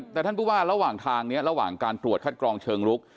แต่ท่านผู้ว่าระหว่างทางนี้ระหว่างการตรวจคัดกรองเชิงลุก